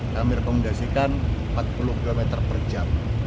kami rekomendasikan empat puluh km per jam